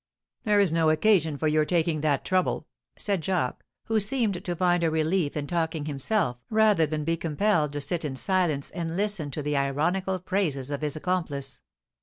"There is no occasion for your taking that trouble," said Jacques, who seemed to find a relief in talking himself rather than be compelled to sit in silence and listen to the ironical praises of his accomplice.